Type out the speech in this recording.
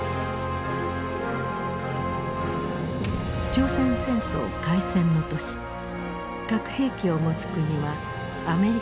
朝鮮戦争開戦の年核兵器を持つ国はアメリカとソ連の２か国。